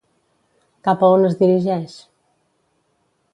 Cap a on es dirigeix?